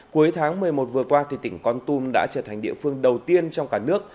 cuối tháng một mươi một vừa qua tỉnh con tum đã trở thành địa phương đầu tiên trong cả nước